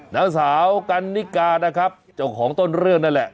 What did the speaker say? นางสาวกันนิกานะครับเจ้าของต้นเรื่องนั่นแหละ